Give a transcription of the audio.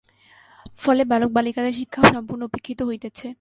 ফলে, বালক-বালিকাদের শিক্ষা সম্পূর্ণ উপেক্ষিত হইতেছে।